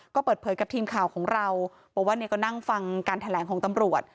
ก็เปิดเผยกับทีมข่าวของเราบอกว่าเนี่ยก็นั่งฟังการแถลงของตำรวจ